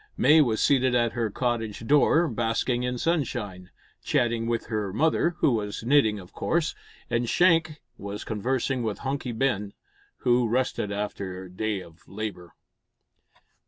May was seated at her cottage door, basking in sunshine, chatting with her mother who was knitting of course and Shank was conversing with Hunky Ben, who rested after a day of labour.